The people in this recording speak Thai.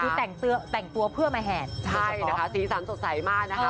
ที่แต่งเตือแต่งตัวเพื่อมาแหดใช่นะคะสีสันสงสัยมากนะคะ